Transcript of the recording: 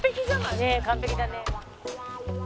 「ねえ完璧だね」